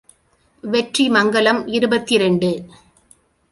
வெற்றி மங்கலம் இருபத்திரண்டு.